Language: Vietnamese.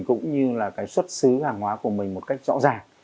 cũng như là cái xuất xứ hàng hóa của mình một cách rõ ràng